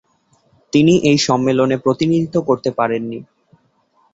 তিনি এই সম্মেলনে প্রতিনিধিত্ব করতে পারেননি।